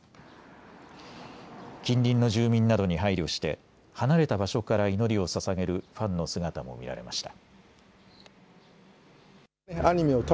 近隣の住民などに配慮して離れた場所から祈りをささげるファンの姿も見られました。